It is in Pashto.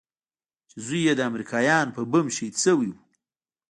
چې زوى يې د امريکايانو په بم شهيد سوى و.